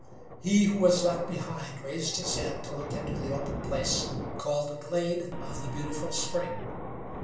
He who was left behind raised his head to look into the open place called the glade of the Beautiful Spring.